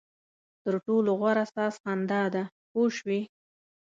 تر ټولو غوره ساز خندا ده پوه شوې!.